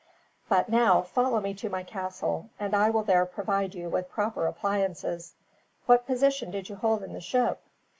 "But now, follow me to my castle, and I will there provide you with proper appliances. What position did you hold in the ship?"